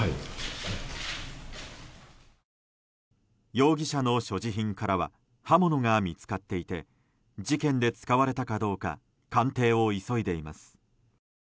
容疑者の所持品からは刃物が見つかっていて事件で使われたかどうか鑑定を急いでいます。